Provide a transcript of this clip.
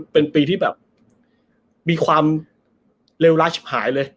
เป็นปีที่แบบมีความเลวราชหายเลย